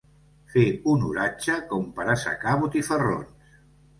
Fer un oratge com per assecar botifarrons.